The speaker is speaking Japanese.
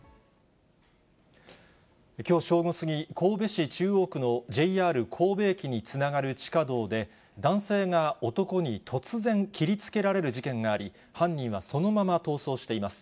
きょう正午過ぎ、神戸市中央区のＪＲ神戸駅につながる地下道で、男性が男に突然切りつけられる事件があり、犯人はそのまま逃走しています。